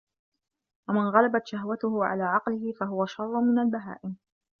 وَمَنْ غَلَبَتْ شَهْوَتُهُ عَلَى عَقْلِهِ فَهُوَ شَرٌّ مِنْ الْبَهَائِمِ